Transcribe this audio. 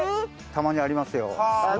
たまにありますよ。